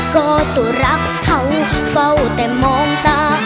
ก็ตัวรักเขาเฝ้าแต่มองตา